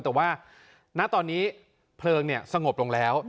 แต่ว่าณตอนนี้เพลิงสงบลงแล้ว